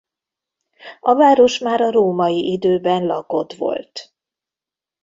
A város már a római időben lakott volt.